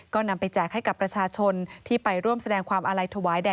ก็นำไปแจกให้กับประชาชนที่ไปร่วมแสดงความอาลัยถวายแด่